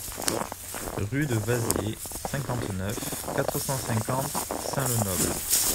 Rue de Waziers, cinquante-neuf, quatre cent cinquante Sin-le-Noble